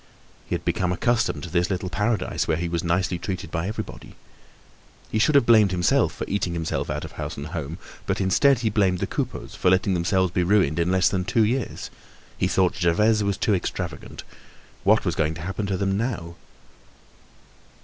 He had become accustomed to this little paradise where he was nicely treated by everybody. He should have blamed himself for eating himself out of house and home, but instead he blamed the Coupeaus for letting themselves be ruined in less than two years. He thought Gervaise was too extravagant. What was going to happen to them now?